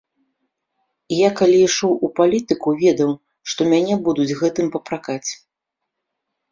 Я калі ішоў ў палітыку, ведаў, што мяне будуць гэтым папракаць.